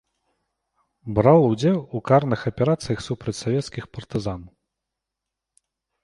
Браў удзел у карных аперацыях супраць савецкіх партызан.